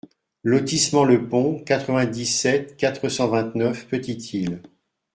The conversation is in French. Lotissement le Pont, quatre-vingt-dix-sept, quatre cent vingt-neuf Petite-Île